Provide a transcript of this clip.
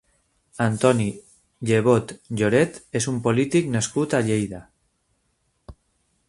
Antoni Llevot Lloret és un polític nascut a Lleida.